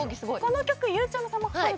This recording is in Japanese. この曲ゆうちゃみさんも書かれた。